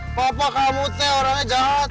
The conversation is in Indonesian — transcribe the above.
apa apa kamu tuh orangnya jahat